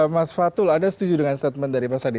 mas fatul anda setuju dengan statement dari pak sadi